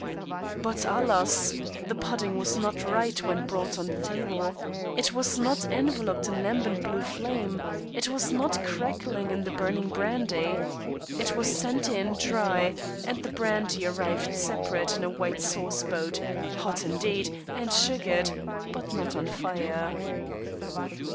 But, alas! the pudding was not right when brought on the table. It was not enveloped in lambent blue flame it was not crackling in the burning brandy. It was sent in dry, and the brandy arrived separate in a white sauce boat, hot indeed, and sugared, but not on fire.